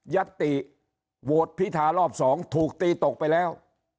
ัตติโหวตพิธารอบ๒ถูกตีตกไปแล้ว